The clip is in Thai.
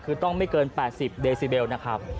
คือต้องไม่เกิน๘๐เดซิเบลนะครับ